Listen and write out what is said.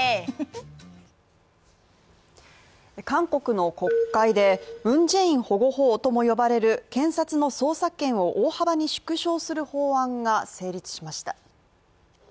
韓国の国会で、文在寅保護法とも呼ばれる、検察の捜査権を大幅に縮小する法案が成立しました。